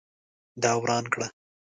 دا وران کړه